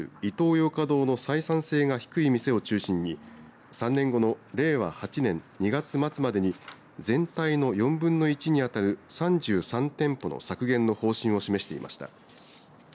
ヨーカドーの採算性が低い店を中心に３年後の令和８年２月末までに全体の４分の１に当たる３３店舗の削減の方針を示していました。